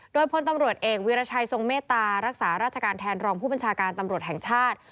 โดยพลตำรวจเอกวีรชัยทรงเมตตารักษาราชการแทนรองผู้บัญชาการตำรวจแห่งชาติ